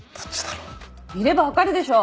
見ればわかるでしょ！